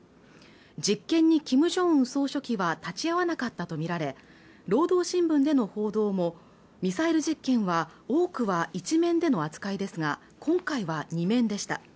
実験にキム・ジョンウン総書記は立ち会わなかったと見られ労働新聞での報道もミサイル実験は多くは１面での扱いですが今回は２面でした